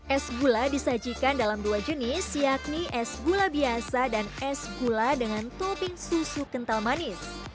es gula disajikan dalam dua jenis yakni es gula biasa dan es gula dengan topping susu kental manis